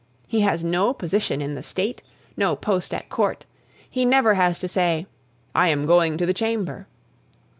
He has no position in the State, no post at Court, he never has to say, "I am going to the Chamber."